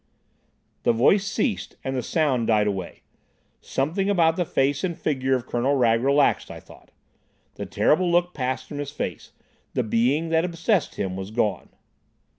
The voice ceased and the sound died away. Something about the face and figure of Colonel Wragge relaxed, I thought. The terrible look passed from his face. The Being that obsessed him was gone.